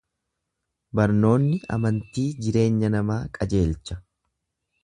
Barnoonni amantii jireenya namaa qajeelcha.